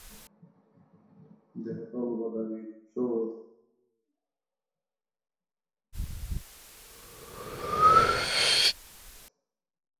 দেহতল বাদামি-ধূসর।